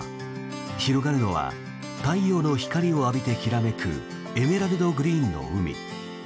広がるのは太陽の光を浴びてきらめくエメラルドグリーンの海。